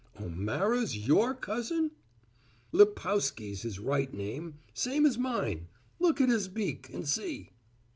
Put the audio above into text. "O'Mara your cousin?" "Lipkowsky's his right name same as mine. Look at his beak and see."